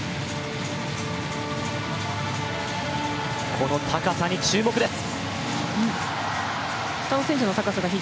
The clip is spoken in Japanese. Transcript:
この高さに注目です。